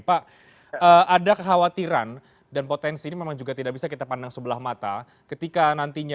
pak ada kekhawatiran dan potensi ini memang juga tidak bisa kita pandang sebelah mata ketika nantinya